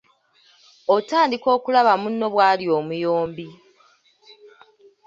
Otandika okulaba munno bw’ali omuyombi.